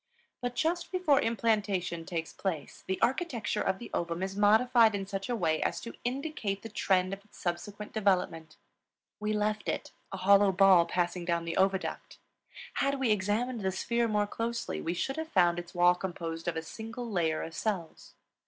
But just before implantation takes place the architecture of the ovum is modified in such a way as to indicate the trend of its subsequent development. We left it, a hollow ball passing down the oviduct; had we examined the sphere more closely we should have found its wall composed of a single layer of cells.